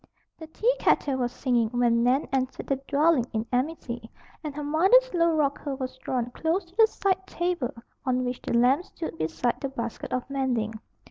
The teakettle was singing when Nan entered the "dwelling in amity", and her mother's low rocker was drawn close to the side table on which the lamp stood beside the basket of mending.